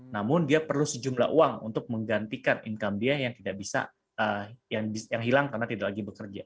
namun dia perlu sejumlah uang untuk menggantikan income dia yang hilang karena tidak lagi bekerja